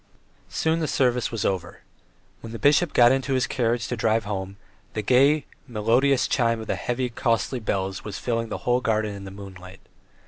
Soon the service was over. When the bishop got into his carriage to drive home, the gay, melodious chime of the heavy, costly bells was filling the whole garden in the moonlight.